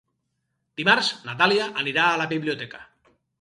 Dimarts na Dàlia anirà a la biblioteca.